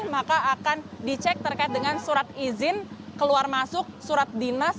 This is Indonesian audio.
maka akan dicek terkait dengan surat izin keluar masuk surat dinas